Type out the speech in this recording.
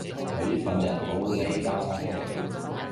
佢份人冇厘搭霎既